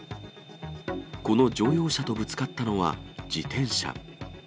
この乗用車とぶつかったのは自転車。